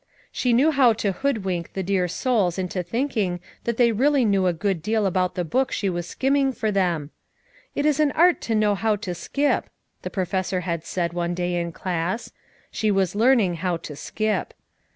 She knew how to hoodwink the dear souls into thinking that they really knew a good deal ahout the hook she was skimming for them. "It is an art to know how to skip," the Pro fessor had said one day in class; she was learning how to skip.